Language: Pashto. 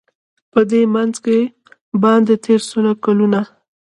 په دې منځ کي باندی تېر سوله کلونه